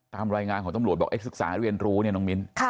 ตามรายงานของตำรวจบอกศึกษาเรียนรู้เนี่ยน้องมิ้น